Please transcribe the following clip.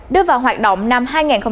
đưa vào hoạt động năm hai nghìn một mươi một